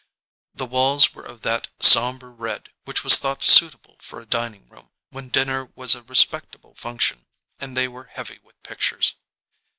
The walls were of that sombre red which was thought suitable for a dining room when dinner was a respectable function and they were heavy with pictures.